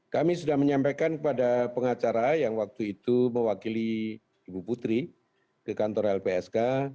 kami sudah menyampaikan kepada pengacara yang waktu itu mewakili ibu putri ke kantor lpsk